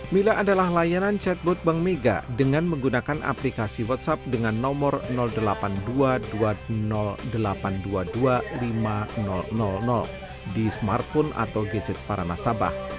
mila adalah layanan chatbot bank mega dengan menggunakan aplikasi whatsapp dengan nomor delapan ribu dua puluh ribu delapan ratus dua puluh dua ribu lima ratus di smartphone atau gadget para nasabah